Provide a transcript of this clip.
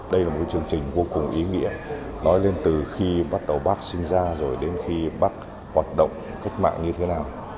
đây là một chương trình vô cùng ý nghĩa nói lên từ khi bắt đầu bác sinh ra rồi đến khi bác hoạt động cách mạng như thế nào